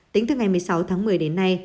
tính từ ngày một mươi sáu tháng một mươi đến nay